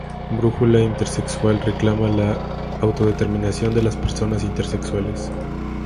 Brújula Intersexual reclama la autodeterminación de las personas intersexuales.